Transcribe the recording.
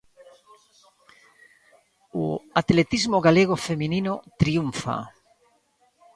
O atletismo galego feminino triunfa.